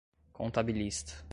contabilista